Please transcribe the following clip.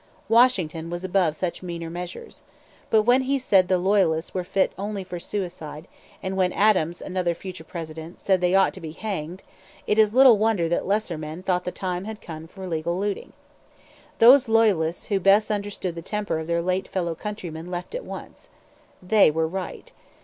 Washington was above such meaner measures. But when he said the Loyalists were only fit for suicide, and when Adams, another future president, said they ought to be hanged, it is little wonder that lesser men thought the time had come for legal looting. Those Loyalists who best understood the temper of their late fellow countrymen left at once. They were right.